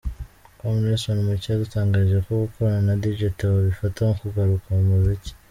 com, Nelson Mucyo yadutangarije ko gukorana na Dj Theo abifata nko kugaruka mu muziki.